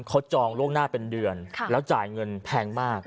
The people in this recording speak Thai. เขาจองล่วงหน้าเป็นเดือนแล้วจ่ายเงินแพงมาก